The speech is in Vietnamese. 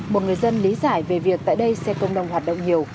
một người dân lý giải về việc tại đây xe công đông hoạt động nhiều